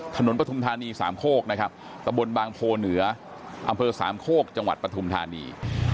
ปฐุมธานีสามโคกนะครับตะบนบางโพเหนืออำเภอสามโคกจังหวัดปฐุมธานี